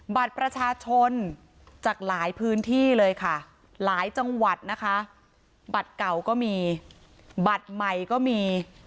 บัตรประชาชนจากหลายพื้นที่เลยค่ะหลายจังหวัดนะคะบัตรเก่าก็มีบัตรใหม่ก็มี